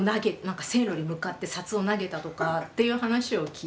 線路に向かって札を投げたとかっていう話を聞いて。